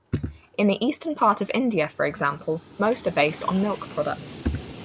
In the eastern part of India, for example, most are based on milk products.